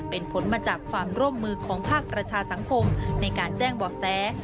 เป็นผลมาจากความร่วมมือของภาคประชาสังคมในการแจ้งเบาะแส